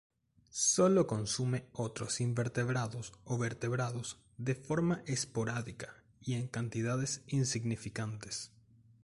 Solo consume otros invertebrados o vertebrados de forma esporádica y en cantidades insignificantes.